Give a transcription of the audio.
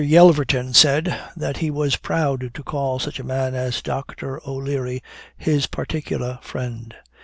Yelverton said, that he was proud to call such a man as Dr. O'Leary his particular friend.